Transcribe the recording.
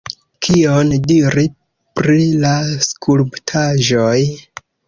Kion diri pri la skulptaĵoj?